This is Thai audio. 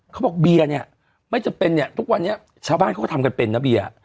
เขาบอกเบียร์เนี่ยไม่จำเป็นเนี่ยทุกวันนี้ชาวบ้านเขาก็ทำกันเป็นนะเบียร์